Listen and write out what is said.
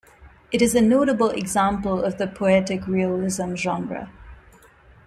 It is a notable example of the poetic realism genre.